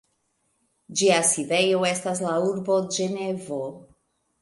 Ĝia sidejo estas la urbo Ĝenevo.